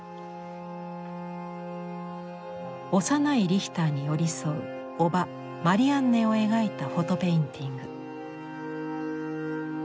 幼いリヒターに寄り添う叔母マリアンネを描いた「フォト・ペインティング」。